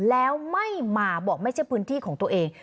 แล้วไม่มาบอกไม่ใช่พื้นที่ของตัวเอง